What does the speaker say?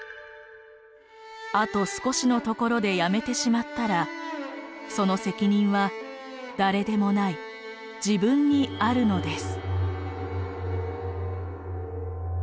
「あと少しのところでやめてしまったらその責任は誰でもない自分にあるのです」。